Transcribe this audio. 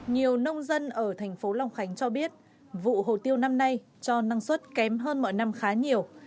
nhiều nông dân ở thành phố long khánh cho biết vụ hồ tiêu năm nay cho năng suất kém hơn mọi năm khá nhiều